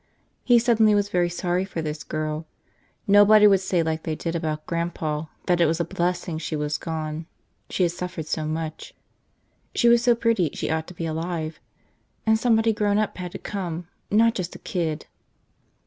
He suddenly was very sorry for this girl. Nobody would say like they did about Grandpa that it was a blessing she was gone, she had suffered so much. She was so pretty she ought to be alive. And somebody grown up had to come, not just a kid.